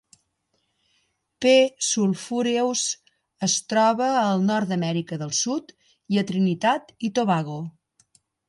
"P. sulphureus" es troba al nord d'Amèrica del Sud i a Trinitat i Tobago.